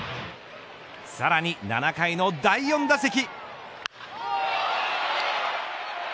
さらに７回の第４打席。